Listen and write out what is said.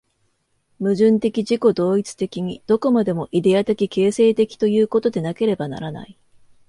矛盾的自己同一的に、どこまでもイデヤ的形成的ということでなければならない。